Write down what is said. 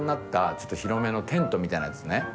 ちょっと広めのテントみたいなやつね。